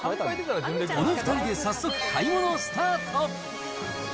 この２人で早速、買い物スタート。